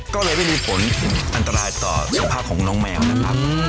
ก็เลยไม่มีผลอันตรายต่อสุขภาพของน้องแมวนะครับ